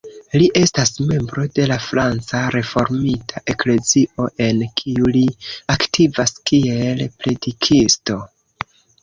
Li estas membro de la Franca Reformita Eklezio, en kiu li aktivas kiel predikisto.